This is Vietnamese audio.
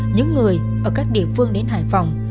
những người ở các địa phương đến hải phòng